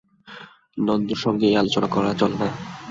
নন্দর সঙ্গে এ আলোচনা করা চলে না।